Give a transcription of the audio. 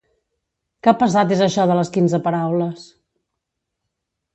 Que pesat és això de les quinze paraules!